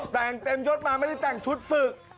แต่งเต็มยดมาไม่ได้แต่งชุดฝึก